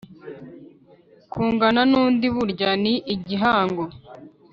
kungana n’undi burya ni igihango